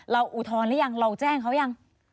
เราอุทรหรือยังเราแจ้งเขายัง